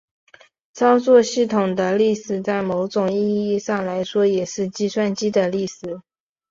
操作系统的历史在某种意义上来说也是计算机的历史。